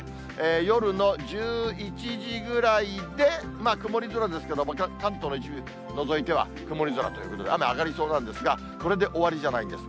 夜の１１時ぐらいで曇り空ですけど、関東の一部除いては曇り空ということで、雨上がりそうなんですが、これで終わりじゃないんです。